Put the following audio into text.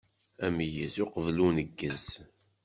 Ameyyez uqbel uneggez!